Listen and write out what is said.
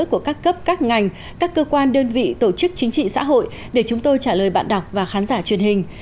của các cấp các ngành các cơ quan đơn vị tổ chức chính trị xã hội để chúng tôi trả lời bạn đọc và khán giả truyền hình